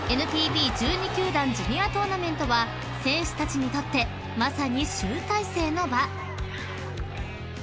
［ＮＰＢ１２球団ジュニアトーナメントは選手たちにとってまさに集大成の場］